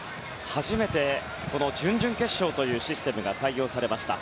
初めてこの準々決勝というシステムが採用されました。